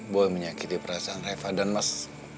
boleh menyakiti perasaan reva dan mas